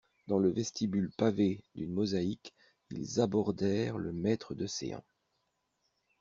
Dans le vestibule pavé d'une mosaïque, ils abordèrent le maître de céans.